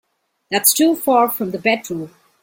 That's too far from the bedroom.